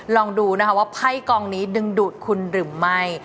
ลองดูนะคะว่าไพ่กองนี้ดึงดูดคุณหรือไม่